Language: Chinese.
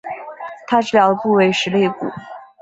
她治疗的部位是肋骨。